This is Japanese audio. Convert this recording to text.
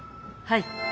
はい。